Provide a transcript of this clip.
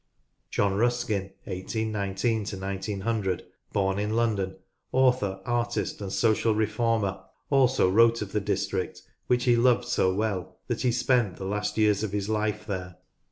John Ruskin (1819 1900), born in London, author, artist and social reformer, also wrote of the district, which he loved so well that he spent the last years of his life there.